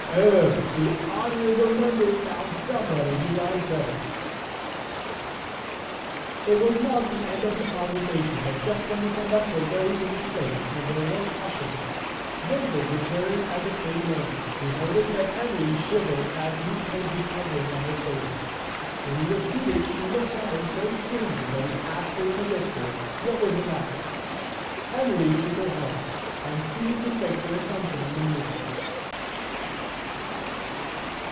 'Oh, the honourable member found somebody he liked better.' It was not the end of the conversation, but just then the conductor rose in his place and there was 'hushing.' Wilfrid returned at the same moment. He noticed that Emily shivered as he put the covering on her shoulders. When he was seated she looked at him so strangely that he asked her in a whisper what was the matter. Emily shook her head and seemed to fix her attention on the music.